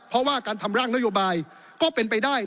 เพราะว่าการทำร่างนโยบายก็เป็นไปได้